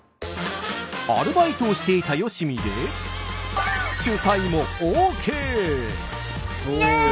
アルバイトをしていたよしみでイエイ！